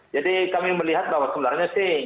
jadi kami melihat bahwa sebenarnya sih